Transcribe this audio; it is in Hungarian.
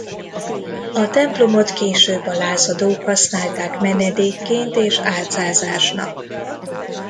A templomot később a Lázadók használták menedékként és álcázásnak.